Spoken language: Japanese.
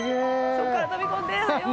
そこから飛び込んではよ！